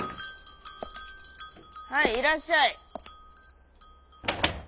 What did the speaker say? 「はいいらっしゃい」。